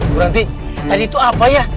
bu ranti tadi itu apa ya